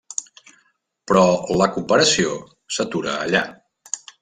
Però la comparació s'atura allà.